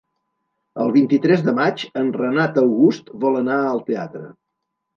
El vint-i-tres de maig en Renat August vol anar al teatre.